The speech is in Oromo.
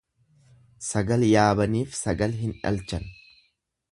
Sagal yaabaniif sagal hin dhalchan.